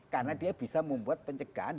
karena dia bisa membuat pencegahan